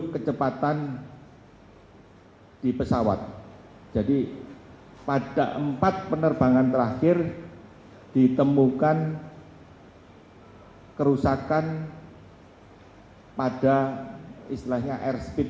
maupun data data perbaikan yang telah dilakukan oleh teknisi teknisi dari maskapai tersebut